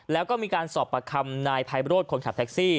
แล้วก็มีการสอบประคำนายไพโรธคนขับแท็กซี่